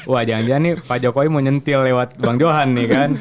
wah jangan jangan nih pak jokowi mau nyentil lewat bang johan nih kan